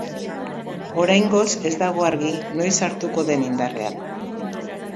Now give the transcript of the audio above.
Oraingoz ez dago argi noiz sartuko den indarrean.